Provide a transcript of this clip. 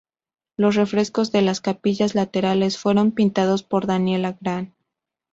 Los frescos de las capillas laterales fueron pintados por Daniel Gran.